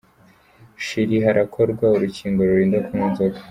shiri Harakorwa urukingo rurinda kunywa inzoga